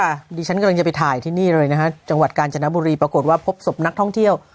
ดิฉันกำลังจะไปถ่ายที่นี่เลยนะฮะจังหวัดกาญจนบุรีปรากฏว่าพบศพนักท่องเที่ยว